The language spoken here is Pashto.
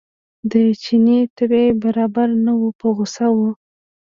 د چیني طبع برابره نه وه په غوسه و.